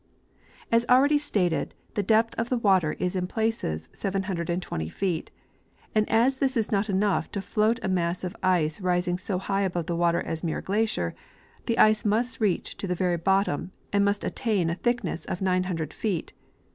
As already stated, the depth of the water is in places 720 feet ; and as this is not enough to float a mass of ice rising so high above the water as Islmx glacier, the ice must reach to the very bottom and must attain a thick ]iess of 900 feet.